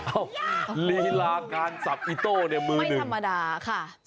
อ้าวลีราการสับอีโต้เนี่ยมือหนึ่งไม่ธรรมดาค่ะ